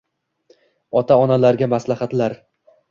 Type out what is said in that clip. Ota-onalarga maslahatlar